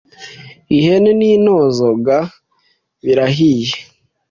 ihene n’intozo ga birahiye